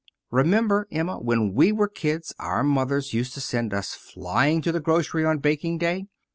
Remember, Emma, when we were kids our mothers used to send us flying to the grocery on baking day?